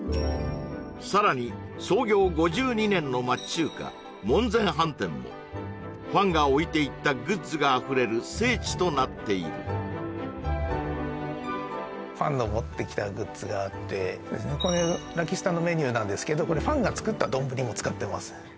さらに創業５２年の町中華門前飯店もファンが置いていったグッズがあふれる聖地となっているファンの持ってきたグッズがあってこれ「らき☆すた」のメニューなんですけどファンが作ったどんぶりを使ってます